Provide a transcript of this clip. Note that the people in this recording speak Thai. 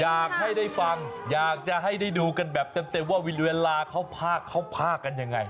อยากให้ได้ฟังอยากจะให้ได้ดูกันแบบเต็มว่าเวลาเขาพากเขาพากกันยังไง